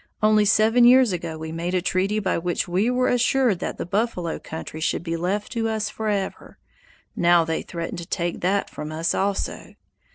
Only seven years ago we made a treaty by which we were assured that the buffalo country should be left to us forever. Now they threaten to take that from us also.